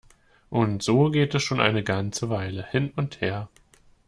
Und so geht es schon eine ganze Weile hin und her.